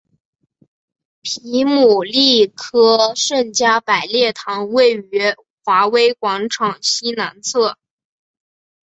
皮姆利科圣加百列堂位于华威广场西南侧。